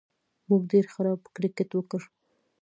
موږ ډېر خراب کرېکټ وکړ